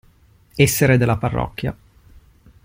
Essere della parrocchia.